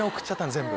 全部。